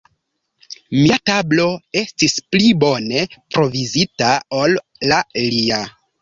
Mia tablo estis pli bone provizita ol la lia.